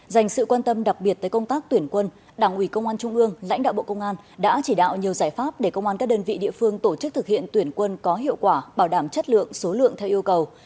dành sự quan tâm đặc biệt tới công tác tuyển quân đảng ủy công an trung ương lãnh đạo bộ công an đã chỉ đạo nhiều giải pháp để công an các đơn vị địa phương tổ chức thực hiện tuyển quân có hiệu quả bảo đảm chất lượng số lượng theo yêu cầu